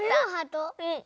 うん。